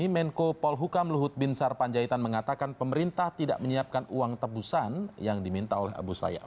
menko polhukam luhut bin sarpanjaitan mengatakan pemerintah tidak menyiapkan uang tebusan yang diminta oleh abu sayyaf